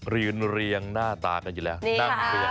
เรียนเรียงหน้าตากันเอง